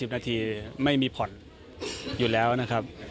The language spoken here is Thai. นาทีไม่มีผ่อนอยู่แล้วนะครับ